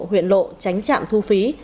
huyện lộ tránh chạm thu phí